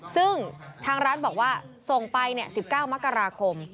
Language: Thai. ซึ่งทางร้านบอกว่าส่งไป๑๙มกราคม